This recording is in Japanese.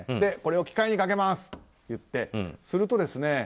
これを機械にかけますと言って。